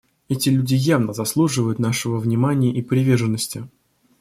Эти люди явно заслуживают нашего внимания и приверженности.